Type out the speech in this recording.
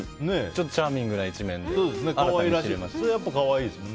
ちょっとチャーミングな一面も。